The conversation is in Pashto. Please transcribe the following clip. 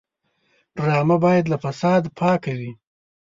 ډرامه باید له فساد پاکه وي